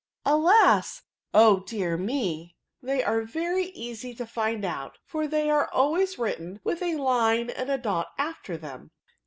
alas i O dear me ! They are very easy to find out, for they are always written with a line and a dot after them."